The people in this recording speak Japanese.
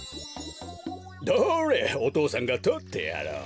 どれお父さんがとってやろう。